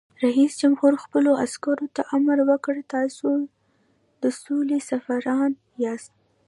رئیس جمهور خپلو عسکرو ته امر وکړ؛ تاسو د سولې سفیران یاست!